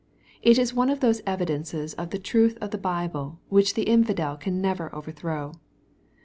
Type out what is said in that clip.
It is one of those evidences of the truth of the Bible which the infidel ] can never overthrow.